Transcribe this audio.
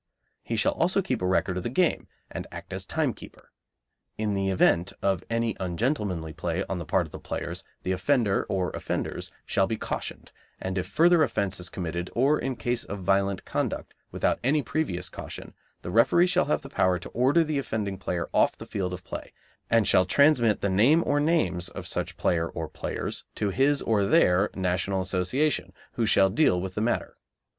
He shall also keep a record of the game and act as timekeeper. In the event of any ungentlemanly play on the part of the players the offender, or offenders, shall be cautioned, and if further offence is committed, or in case of violent conduct, without any previous caution the referee shall have power to order the offending player off the field of play, and shall transmit the name or names of such player or players to his or their National Association, who shall deal with the matter.